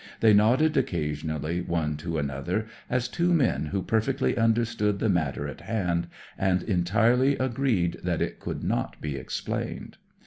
They nodded occasionally one to another, as two men who perfectly understood the matter in hand, and entirely agreed that it could not be explained.)